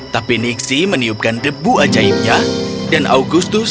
tapi nixie meniupkan debu ajaib pada augustus